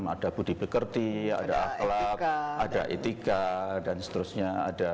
ada budi bekerti ada akhlak ada etika dan seterusnya